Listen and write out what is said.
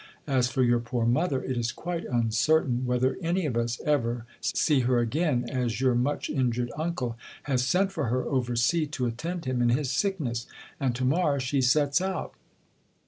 As for your poor mother, it is quite uncertain whether any of us ever see her again, as your much injured uncle has sent for her over sea to attend him in his'sick ness ; and to morrow she sets out.